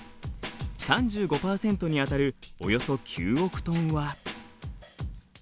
３５％にあたるおよそ９億トンは。